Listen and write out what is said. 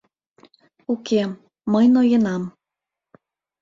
Уке, мый ноенам.